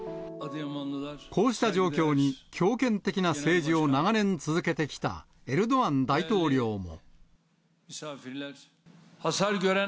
こうした状況に、強権的な政治を長年続けてきたエルドアン大統領も。